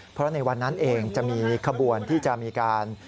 เพราะในวันนั้นเองจะมีขบวนที่จะมีการ